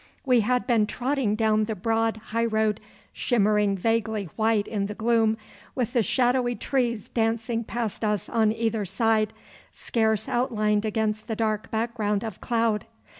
We had been trotting down the broad high road shimmering vaguely white in the gloom, with the shadowy trees dancing past us on either side, scarce outlined against the dark background of cloud.